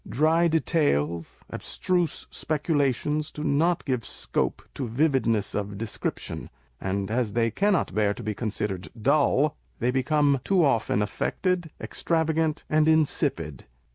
Dry details, abstruse speculations do not give scope to vividness of description ; and, as they cannot bear to be considered dull, they become too often affected, extravagant, and insipid.